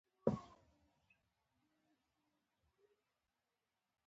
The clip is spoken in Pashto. کاش چې موږ ښه رهبران درلودلی.